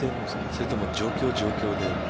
それとも状況で。